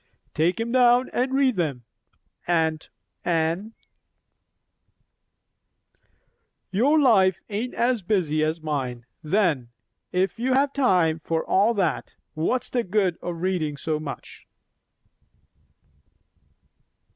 "Take 'em down and read them, aunt Anne." "Your life ain't as busy as mine, then, if you have time for all that. What's the good o' readin' so much?"